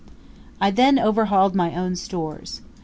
I then overhauled my own stores.